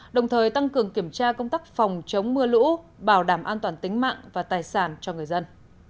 đồng thời tăng cường kiểm tra công tác phòng chống mưa lũ bảo đảm an toàn tính mạng và tài sản cho người dân